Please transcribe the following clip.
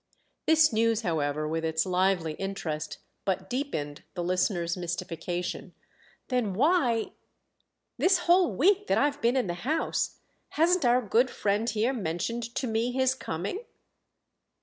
This news, however, with its lively interest, but deepened the listener's mystification. "Then why—this whole week that I've been in the house—hasn't our good friend here mentioned to me his coming?"